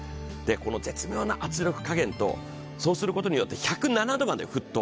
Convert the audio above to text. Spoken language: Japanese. この絶妙な圧力加減と、そうすることによって１０７度まで沸騰。